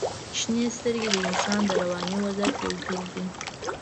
• شنې سترګې د انسان د رواني وضعیت یو جز دی.